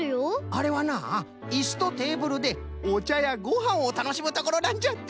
あれはないすとテーブルでおちゃやごはんをたのしむところなんじゃって！